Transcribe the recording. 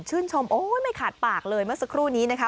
ชมโอ้ยไม่ขาดปากเลยเมื่อสักครู่นี้นะคะ